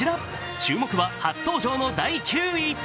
注目は初登場の第９位。